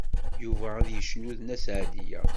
Yuba ad yecnu d Nna Seɛdiya.